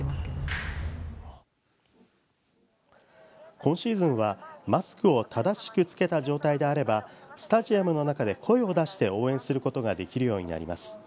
今シーズンは、マスクを正しく着けた状態であればスタジアムの中で声を出して応援することができるようになります。